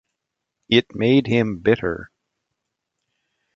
It made him bitter.